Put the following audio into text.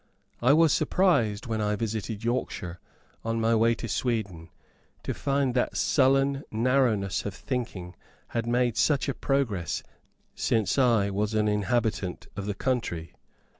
I was surprised when I visited Yorkshire, on my way to Sweden, to find that sullen narrowness of thinking had made such a progress since I was an inhabitant of the country.